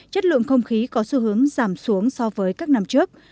chất lượng không khí có xu hướng giảm xuống so với các năm trước